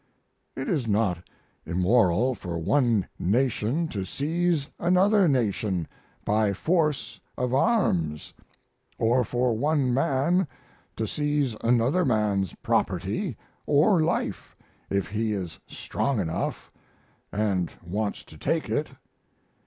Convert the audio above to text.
It is not immoral for one nation to seize another nation by force of arms, or for one man to seize another man's property or life if he is strong enough and wants to take it.